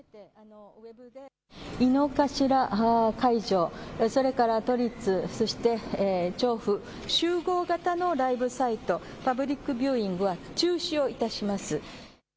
井の頭会場、それから都立、調布、集合型のライブサイト、パブリックビューイングは中止を致します。